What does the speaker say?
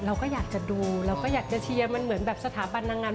เราก็อยากจะดูเราก็อยากจะเชียร์มันเหมือนแบบสถาบันนางงาม